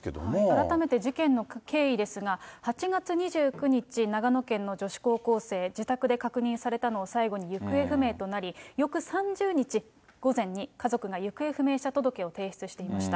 改めて事件の経緯ですが、８月２９日、長野県の女子高校生、自宅で確認されたのを最後に行方不明となり、翌３０日午前に家族が行方不明者届を提出していました。